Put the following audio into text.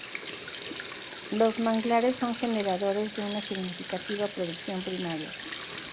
Los manglares son generadores de una significativa producción primaria.